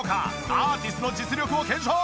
アーティスの実力を検証！